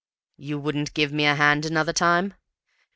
"You wouldn't give me a hand another time?"